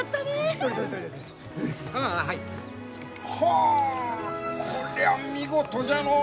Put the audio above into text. あこりゃあ見事じゃのう！